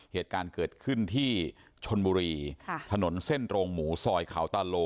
เหตุการณ์เกิดขึ้นที่ชนบุรีถนนเส้นโรงหมูซอยเขาตาโล